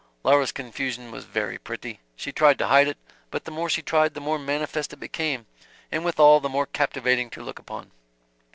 Laura's confusion was very pretty. She tried to hide it, but the more she tried the more manifest it became and withal the more captivating to look upon.